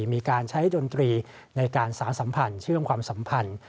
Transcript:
มีการใช้ดนตรีในการสารสัมพันธ์เชื่อมความสัมพันธ์